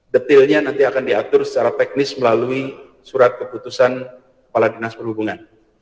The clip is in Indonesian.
detilnya nanti akan diatur secara teknis melalui surat keputusan kepala dinas perhubungan